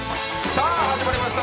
さあ、始まりました！